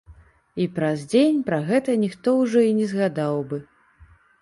І праз дзень пра гэта ніхто ўжо і не згадаў бы.